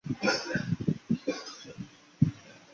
加拉帕戈斯象龟是现存体型最大的陆龟之一。